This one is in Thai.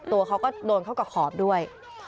ตัวเขาก็โดนเข้ากับขอบด้วย